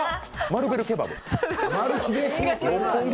マルベルケバブ？